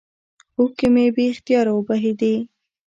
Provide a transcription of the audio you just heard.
اوښكې مې بې اختياره وبهېدې.